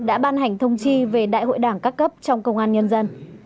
đã ban hành thông chi về đại hội đảng các cấp trong công an nhân dân